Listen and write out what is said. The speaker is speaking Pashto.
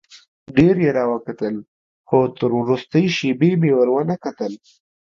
ډېر یې راوکتل خو تر وروستۍ شېبې مې ور ونه کتل.